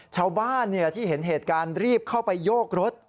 ชาวบ้านที่เห็นเหตุการณ์รีบเข้าไปโยกรถ